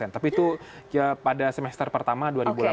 tapi itu pada semester pertama dua ribu delapan belas